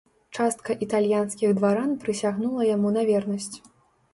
Частка італьянскіх дваран прысягнула яму на вернасць.